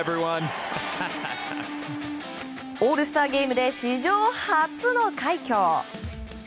オールスターゲームで史上初の快挙。